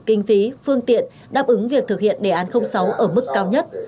kinh phí phương tiện đáp ứng việc thực hiện đề án sáu ở mức cao nhất